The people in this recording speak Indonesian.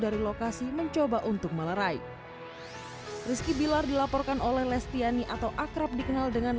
dari lokasi mencoba untuk melerai rizky bilar dilaporkan oleh lestiani atau akrab dikenal dengan